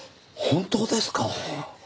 本当ですか！？